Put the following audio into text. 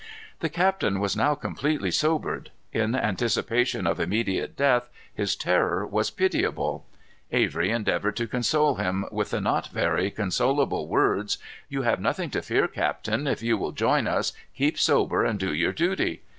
The captain was now completely sobered. In anticipation of immediate death his terror was pitiable. Avery endeavored to console him with the not very consolable words: "You have nothing to fear, captain, if you will join us, keep sober, and do your duty.